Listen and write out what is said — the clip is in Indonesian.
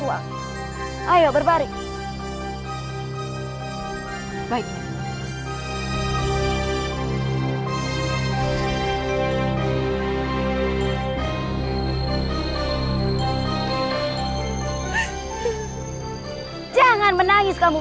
jangan lupa like share dan subscribe ya